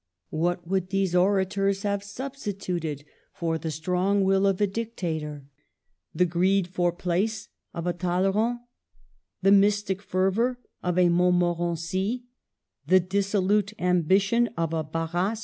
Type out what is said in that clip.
What would these orators have substituted for the strong will of a Dictator ? The greed for place of a Talleyrand ? The mystic fervor of a Montmorency ? The dissolute ambi tion of a Barras